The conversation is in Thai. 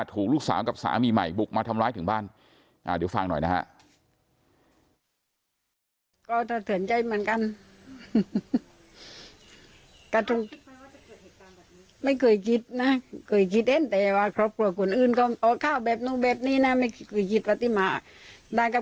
ถูกลูกสาวกับสามีใหม่บุกมาทำร้ายถึงบ้านเดี๋ยวฟังหน่อยนะฮะ